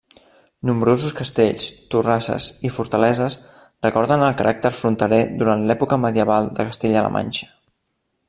Nombrosos castells, torrasses i fortaleses recorden el caràcter fronterer durant l'època medieval de Castella-la Manxa.